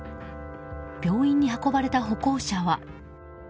病院に運ばれた歩行者は。